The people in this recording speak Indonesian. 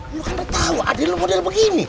lo kan udah tau adil model begini